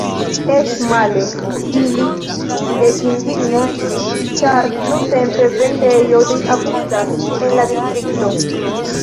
Eĉ male: ili ekindignis, ĉar nuntempe vendejoj abundas en la distrikto.